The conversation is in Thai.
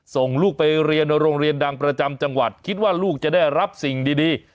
ส่งลูกไปเรียนโรงเรียนดังประจำจังหวัดคิดว่าลูกจะได้รับสิ่งดี